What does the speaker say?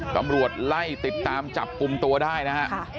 กำรวจไล่ติดตามจับกุมตัวได้นะครับ